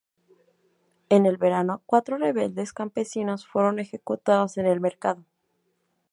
En el verano, cuatro rebeldes campesinos fueron ejecutados en el mercado.